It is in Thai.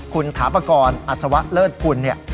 คุณขาปะกรอัศวะเลิศคุณ